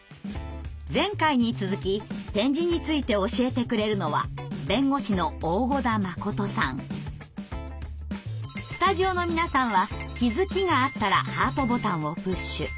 前回に続き点字について教えてくれるのはスタジオの皆さんは気づきがあったらハートボタンをプッシュ。